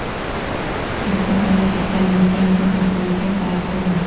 Es patrón oficial de tiempo y frecuencia para Cuba.